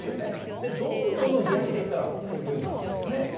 でどんどんどんどん冷やしていったらどうなるんだろうね？